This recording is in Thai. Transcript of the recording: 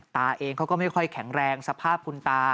ตาเองเขาก็ไม่ค่อยแข็งแรงสภาพคุณตา